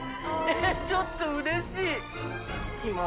えっちょっとうれしい。